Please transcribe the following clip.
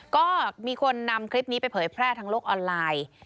ก็มีคนนำคลิปนี้ไปเผยแพร่ทางโลกออนไลน์